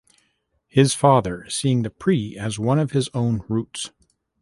His father seeing the pre as one of his own roots.